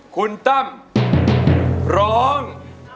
คุณตำร้อง